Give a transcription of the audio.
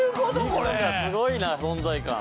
肉がすごいな存在感